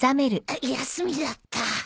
休みだった。